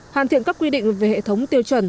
hoàn thiện các quy định về hệ thống tiêu chuẩn